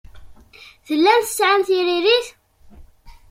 Tellam tesɛam tiririt?